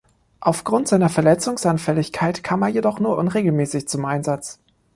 Aufgrund seiner Verletzungsanfälligkeit kam er jedoch nur unregelmäßig zum Einsatz.